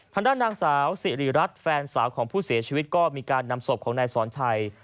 ทางด้านนางสาวสิริรัตน์แฟนสาวของผู้เสียชีวิตก็มีการนำศพของนายสอนชัย